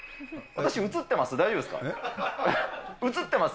私、映ってます？